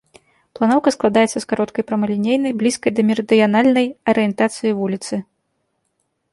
Планоўка складаецца з кароткай прамалінейнай, блізкай да мерыдыянальнай арыентацыі вуліцы.